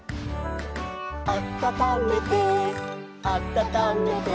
「あたためてあたためて」